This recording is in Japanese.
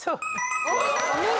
お見事！